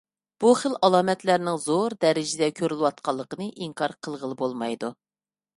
بۇ خىل ئالامەتلەرنىڭ زور دەرىجىدە كۆرۈلۈۋاتقانلىقىنى ئىنكار قىلغىلى بولمايدۇ.